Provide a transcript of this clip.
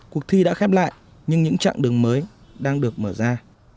cuộc thi đã khép lại nhưng những chặng đường mới đang được mở ra